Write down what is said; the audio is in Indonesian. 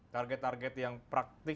target target yang praktis